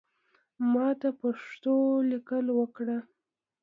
ماته پښتو لیکل اوکړه